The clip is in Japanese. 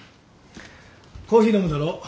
コーヒー飲むだろ？